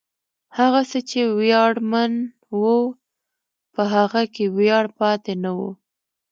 هغه څه چې ویاړمن و، په هغه کې ویاړ پاتې نه و.